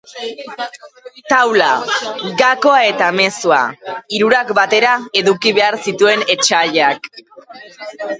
Taula, gakoa eta mezua, hirurak batera eduki behar zituen etsaiak.